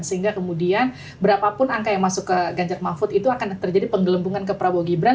sehingga kemudian berapapun angka yang masuk ke ganjar mahfud itu akan terjadi penggelembungan ke prabowo gibran